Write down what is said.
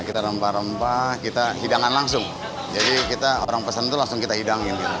kita rempah rempah kita hidangan langsung jadi kita orang pesan itu langsung kita hidangin